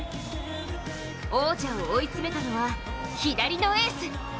王者を追い詰めたのは左のエース！